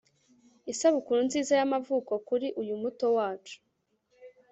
isabukuru nziza y'amavuko kuri uyu muto wacu